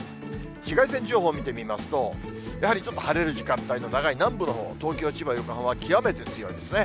紫外線情報を見てみますと、やはりちょっと晴れる時間帯の長い南部のほう、東京、千葉、横浜は、極めて強いですね。